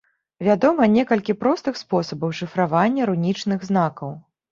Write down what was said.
Вядома некалькі простых спосабаў шыфравання рунічных знакаў.